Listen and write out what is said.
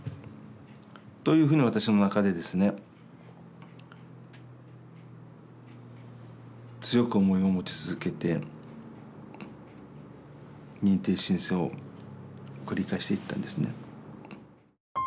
というふうに私の中でですね強く思いを持ち続けて認定申請を繰り返していったんですね。